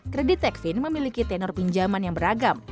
kredit tekvin memiliki tenor pinjaman yang beragam